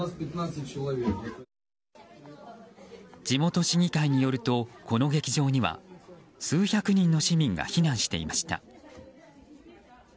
地元市議会によるとこの劇場には数百人の市民が避難していました。